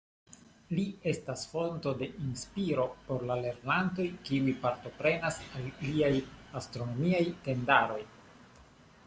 Li estas fonto de inspiro por la lernantoj, kiuj partoprenas al liaj Astronomiaj Tendaroj.